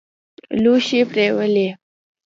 لوښي پرېولي.